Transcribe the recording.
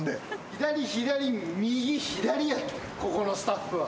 左左右左やここのスタッフは。